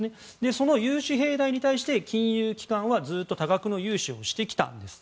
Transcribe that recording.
その融資平台に対して金融機関はずっと多額の融資をしてきたんです。